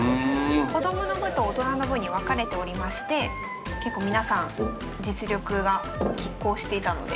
子どもの部と大人の部に分かれておりまして結構皆さん実力がきっ抗していたので。